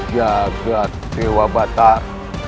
jagad dewa batar